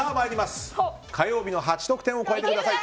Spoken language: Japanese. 火曜日の８得点を超えてください。